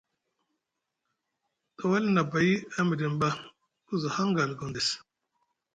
Tawalni nʼabay a midini ɓa ku za hangal Gondes.